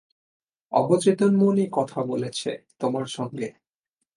অবচেতন মনই কথা বলেছে, তোমার সঙ্গে।